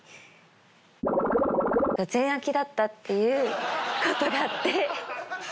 だったっていうことがあって。